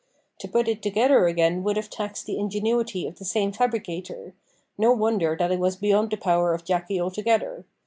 To put it together again would have taxed the ingenuity of the same fabricator no wonder that it was beyond the power of Jacky altogether.